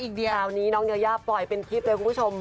คราวนี้น้องยายาปล่อยเป็นคลิปเลยคุณผู้ชม